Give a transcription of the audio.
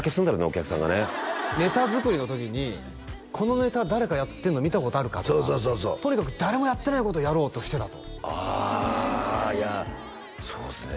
お客さんがねネタ作りの時にこのネタ誰かやってんの見たことあるか？とかとにかく誰もやってないことをやろうとしてたとあいやそうですね